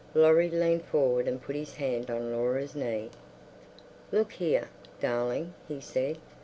Laurie leaned forward and put his hand on Laura's knee. "Look here, darling," he said.